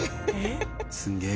すげえ。